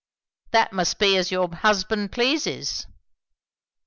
"That must be as your husband pleases."